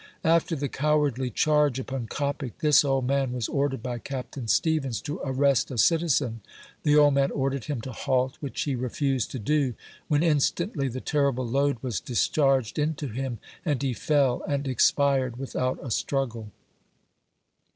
After the cowardly charge upon Coppic, this old man was ordered by Capt. Stevens to arrest a citizen. The old man ordered him to halt, which he re fused to when instantly the terrible load was discharged into him, and he fell, and expired without a struggle.